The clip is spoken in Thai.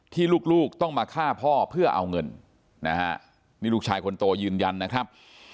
ลูกต้องมาฆ่าพ่อเพื่อเอาเงินนะฮะนี่ลูกชายคนโตยืนยันนะครับ